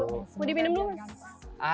boleh minum dulu mas